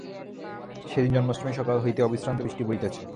সেদিন জন্মাষ্টমী, সকাল হইতে অবিশ্রান্ত বৃষ্টি পড়িতেছে।